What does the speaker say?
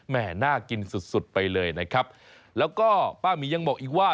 น่ากินสุดสุดไปเลยนะครับแล้วก็ป้าหมียังบอกอีกว่า